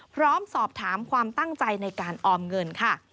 พร้อมสอบถามความตั้งใจในการออมเงินค่ะ